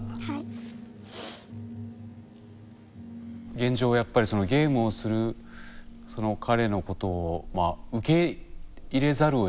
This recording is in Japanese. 現状はやっぱりそのゲームをするその彼のことをまあ受け入れざるをえないということですよね。